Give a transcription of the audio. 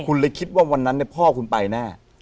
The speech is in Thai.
คุณเลยคิดว่าวันนั้นพ่อคุณไปแน่